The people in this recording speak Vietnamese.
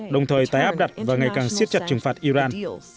đồng thời tái áp đặt và ngày càng siết chặt trừng phạt iran